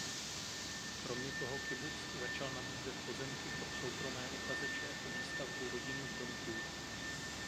Kromě toho kibuc začal nabízet pozemky pro soukromé uchazeče o výstavbu rodinných domků.